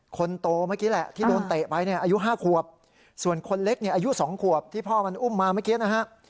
คนโตเมื่อกี้แหละที่โดนเตะไปเนี่ยอายุ๕ขวบส่วนคนเล็กเนี่ยอายุ๒ขวบที่พ่อมันอุ้มมาเมื่อกี้นะฮะ